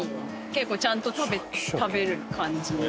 結構ちゃんと食べる感じの。